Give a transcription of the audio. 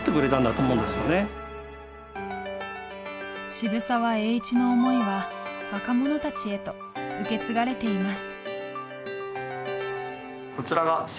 渋沢栄一の思いは若者たちへと受け継がれています。